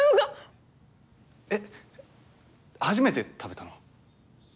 えっ初めて食べたの？